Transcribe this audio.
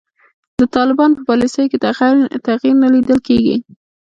د طالبانو په پالیسیو کې تغیر نه لیدل کیږي.